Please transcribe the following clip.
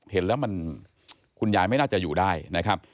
เห็นแล้วมันคุณยายไม่น่าจะอยู่ได้นะครับ